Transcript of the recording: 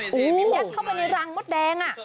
ยัดเข้าไปในรังมดแดง